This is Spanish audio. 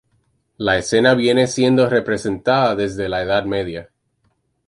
La escena viene siendo representada desde la Edad Media.